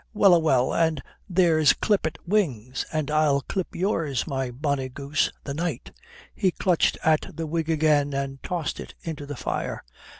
Well a well, and there's clippit wings; and I'll clip yours, my bonny goose, the night." He clutched at the wig again and tossed it into the fire.